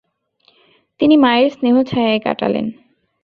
তিনি মায়ের স্নেহ ছায়ায় কাটালেন।